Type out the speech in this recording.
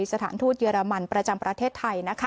สถานทูตเยอรมันประจำประเทศไทย